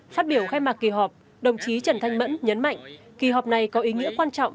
phát biểu khai mạc kỳ họp đồng chí trần thanh mẫn nhấn mạnh kỳ họp này có ý nghĩa quan trọng